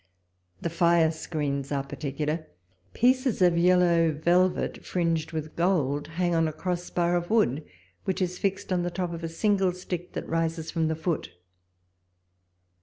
The fire screens are particular ; pieces of yellow velvet, fringed with gold, hang on a cross bar of wood, which is fixed on the top of a single stick, that rises from the foot.